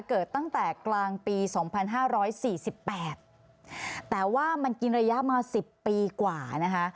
เกิดตั้งแต่กลางปี๒๕๔๘แต่ว่ามันกินระยะมา๑๐ปีกว่านะคะ